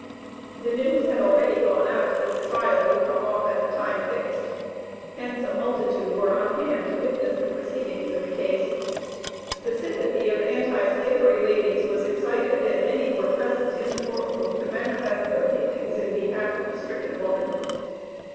The news had already gone out that the trial would come off at the time fixed; hence a multitude were on hand to witness the proceedings in the case. The sympathy of anti slavery ladies was excited, and many were present in the court room to manifest their feelings in behalf of the stricken woman.